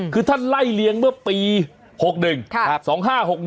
คือท่านไล่เลี้ยงเมื่อปี๖๑๒๕๖๑